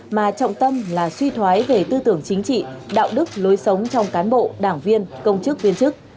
mà trọng tâm là suy thoái về tư tưởng chính trị đạo đức lối sống trong cán bộ đảng viên công chức viên chức